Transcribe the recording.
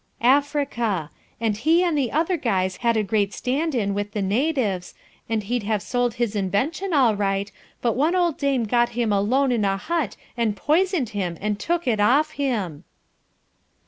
"Africa. And he and the other guys had a great stand in with the natives and he'd have sold his invention all right but one old dame got him alone in a hut and poisoned him and took it off him."